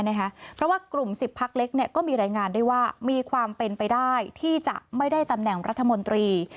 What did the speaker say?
เพราะว่ากลุ่ม๑๐พักเล็กก็มีรายงานได้ว่ามีความเป็นไปได้ที่จะไม่ได้ตำแหน่งรัฐมนตรี